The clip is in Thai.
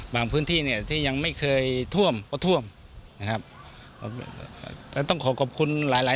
พื้นที่เนี่ยที่ยังไม่เคยท่วมก็ท่วมนะครับก็ต้องขอขอบคุณหลายหลาย